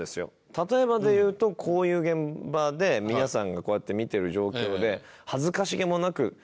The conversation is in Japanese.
例えばでいうとこういう現場で皆さんがこうやって見てる状況で恥ずかしげもなく。